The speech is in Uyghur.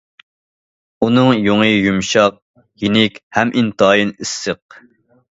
ئۇنىڭ يۇڭى يۇمشاق، يېنىك ھەم ئىنتايىن ئىسسىق.